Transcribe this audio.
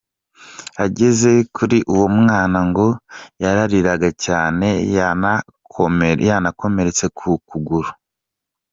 Ageze kuri uwo mwana ngo yarariraga cyane, yanakomeretse ku kuguru.